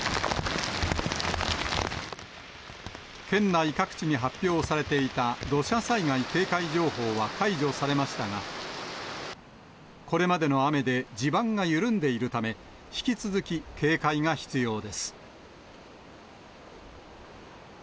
県内各地に発表されていた土砂災害警戒情報は解除されましたが、これまでの雨で地盤が緩んでいるため、引き続き警戒が必要です。